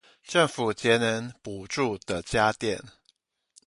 政府節能補助的家電